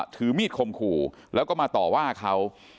ถือมีดคมขู่แล้วก็มาต่อว่าเขา